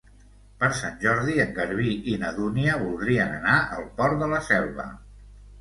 Per Sant Jordi en Garbí i na Dúnia voldrien anar al Port de la Selva.